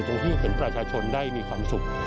ที่เห็นประชาชนได้มีความสุข